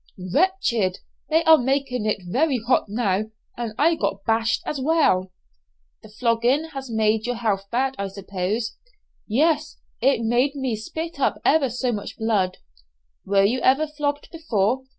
"Wretched! They are making it very hot now, and I got 'bashed' as well." "The flogging has made your health bad, I suppose?" "Yes, it made me spit up ever so much blood." "Were you ever flogged before?"